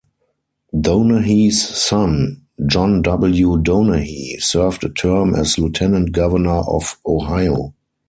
Donahey's son, John W. Donahey, served a term as Lieutenant Governor of Ohio.